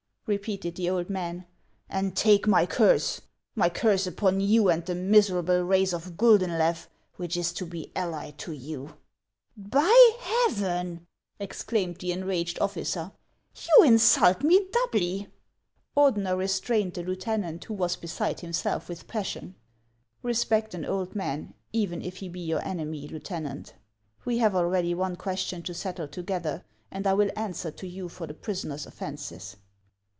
" repeated the old man ;" and take my curse, my curse upon you and the miserable race of Guldenlew, which is to l)e allied to you !"" By Heaven !" exclaimed the enraged officer, " you in sult me doubly!" 108 HANS OF ICELAND. OrJener restrained the lieutenant, who was beside him self with passion. " Respect an old man, even if he be your enemy, Lieu tenant; we have already one question to settle together, and I will answer to you for the prisoner's offences."